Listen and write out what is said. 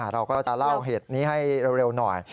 เราก็จะเล่าเหตุนี้ให้เร็วหน่อย